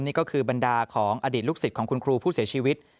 นี่ก็คือบรรดาของอดีตลูกศิษย์ของคุณครูผู้เสียชีวิต